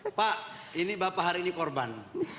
bapak ini bapak hari ini korban